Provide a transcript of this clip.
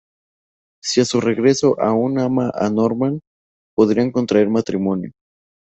Si a su regreso aún ama a Norman, podrían contraer matrimonio.